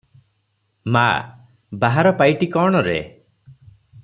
ମା - ବାହାର ପାଇଟି କଣ ରେ?